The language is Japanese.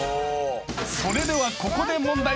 ［それではここで問題］